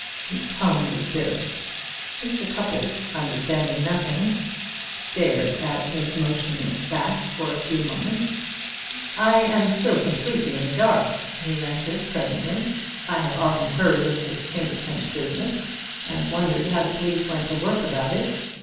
His tone was bitter. Mr. Cupples, understanding nothing, stared at his motionless back for a few moments. "I am still completely in the dark," he ventured presently. "I have often heard of this finger print business, and wondered how the police went to work about it.